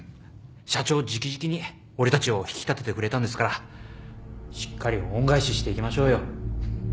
社長直々に俺たちを引き立ててくれたんですからしっかり恩返ししていきましょうよ。